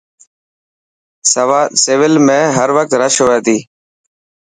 سول ۾ هروقت رش هئي تي.